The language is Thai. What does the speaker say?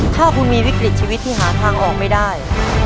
ถ้าคุณมีวิกฤตชีวิตที่หาทางออกไม่ได้